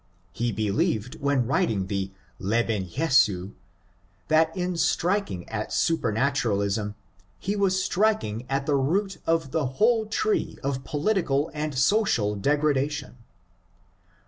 He believed when writing the " Leben Jesu '' that in striking at supematuralism he was striking at the root of the whole tree of political and social degradation.